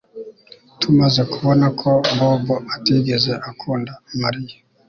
Tumaze kubona ko Bobo atigeze akunda Mariya